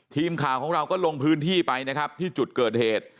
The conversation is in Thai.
ทีมข่าวของเราก็ลงพื้นที่ไปนะครับที่จุดเกิดเหตุ